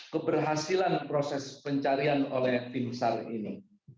keberhasilan proses pencarian oleh tim sar ini